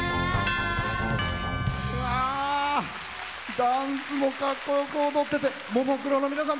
ダンスもかっこよく踊っててももクロの皆さん